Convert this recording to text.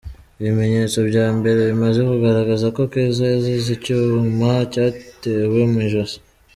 Ibimenyetso bya mbere, bimaze kugaragaza ko Keza yazize icyuma yatewe mu ijosi.